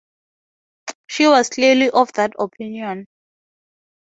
She was clearly of that opinion.